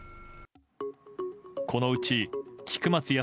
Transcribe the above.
このうち菊松安